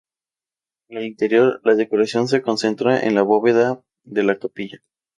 En el interior, la decoración se concentra en la bóveda de la capilla.